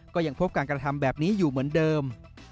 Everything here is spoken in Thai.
ก็ยังพบการกระทำแบบนี้อยู่เหมือนเดิม